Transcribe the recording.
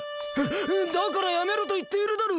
だからやめろといっているだろ！